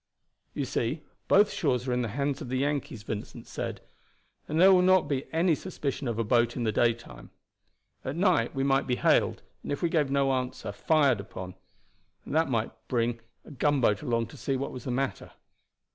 "You see, both shores are in the hands of the Yankees," Vincent said, "and there will not be any suspicion of a boat in the daytime. At night we might be hailed, and if we gave no answer fired upon, and that night bring a gunboat along to see what was the matter.